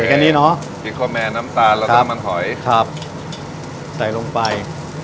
แค่นี้เนอะน้ำตาลแล้วกันน้ำมันหอยครับใส่ลงไป